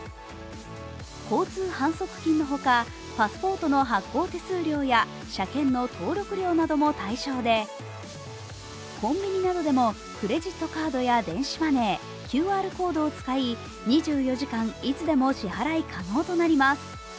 交通反則金のほか、パスポートの発行手数料や車検の登録料なども対象で、コンビニなどでもクレジットカードや電子マネーＱＲコードを使い２４時間いつでも支払い可能となります。